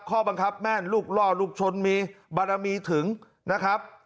ข้อบังคับแม่นลูกล่อลูกชนมีบารมีถึงนะครับ